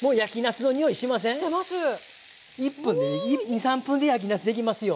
２３分で焼きなすできますよ。